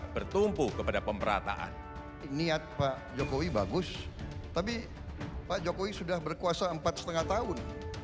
bertumpu kepada pemerataan niat pak jokowi bagus tapi pak jokowi sudah berkuasa empat lima tahun